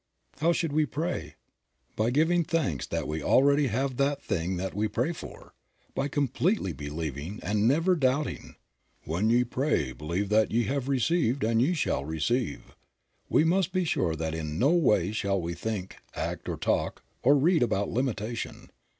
How should we pray? By giving thanks that we already have that thing that we pray for ; by completely believing and by never doubting. "When ye pray believe that ye have received and ye shall receive." We must be sure that in no way shall we think, act or talk or read about limitation.